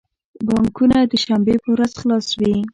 بانکونه د شنبی په ورځ خلاص وی